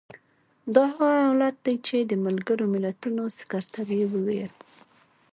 دا هغه حالت دی چې د ملګرو ملتونو سکتر یې وویل.